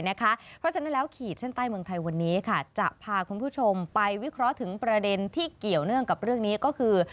เพราะฉะนั้นแล้วขีดเส้นใต้เมืองไทยวันนี้จะพาคุณผู้ชมไปวิเคราะห์ถึงประเด็นที่เกี่ยวเนื่องกับเรื่องนี้ก็คือ